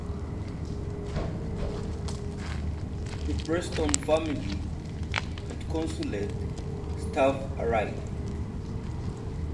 The Preston family and consulate staff arrive.